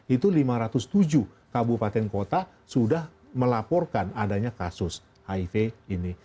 itu lima ratus tujuh kabupaten kota sudah melaporkan adanya kasus hiv ini